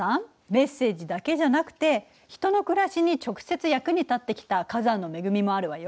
メッセージだけじゃなくて人の暮らしに直接役に立ってきた火山の恵みもあるわよ。